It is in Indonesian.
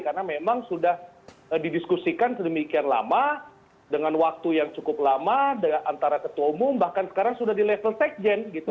karena memang sudah didiskusikan sedemikian lama dengan waktu yang cukup lama antara ketua umum bahkan sekarang sudah di level sec gen gitu